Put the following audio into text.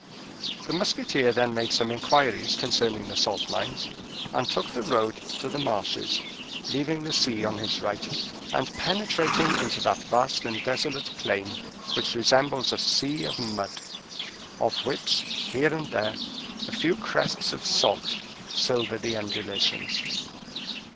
The musketeer then made some inquiries concerning the salt mines, and took the road to the marshes, leaving the sea on his right, and penetrating into that vast and desolate plain which resembles a sea of mud, of which, here and there, a few crests of salt silver the undulations.